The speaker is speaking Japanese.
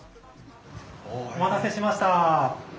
お待たせしました。